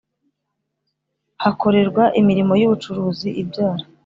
Hakorerwa imirimo y ubucuruzi ibyara